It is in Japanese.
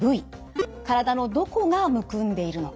体のどこがむくんでいるのか。